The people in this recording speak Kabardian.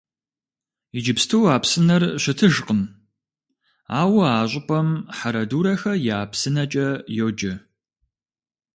Иджыпсту а псынэр щытыжкъым, ауэ а щӀыпӀэм «Хьэрэдурэхэ я псынэкӀэ» йоджэ.